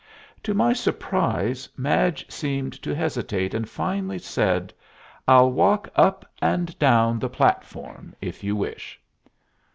To my surprise, Madge seemed to hesitate, and finally said, "I'll walk up and down the platform, if you wish."